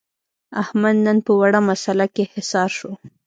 احمد نن په وړه مسعله کې حصار شو.